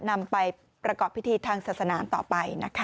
นำไปประกอบพิธีทางศาสนาต่อไปนะคะ